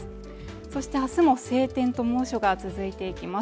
そして明日も晴天と猛暑が続いていきます